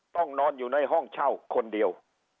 ต้องนอนอยู่ในห้องเช่าคนเดียว